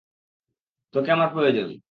তোকে আমার প্রয়োজন।